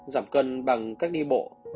giảm cân bằng cách đi bộ